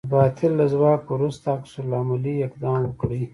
د باطل له ځواک وروسته عکس العملي اقدام وکړئ.